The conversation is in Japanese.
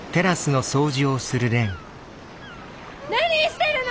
・何してるの！